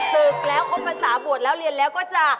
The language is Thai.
ศึกแล้วครบภาษาบวชแล้วเรียนแล้วก็จะ